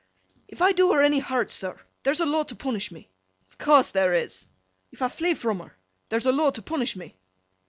'If I do her any hurt, sir, there's a law to punish me?' 'Of course there is.' 'If I flee from her, there's a law to punish me?